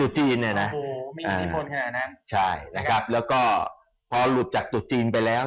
ตัวจีนเนี้ยน่ะอืมมีผลขนาดนั้นใช่นะครับแล้วก็พอหลุดจากตัวจีนไปแล้ว